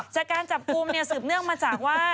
จากการจับกลุ่มสืบเนื่องมาจากว่า